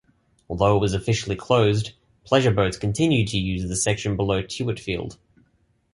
Although it was officially closed, pleasure boats continued to use the section below Tewitfield.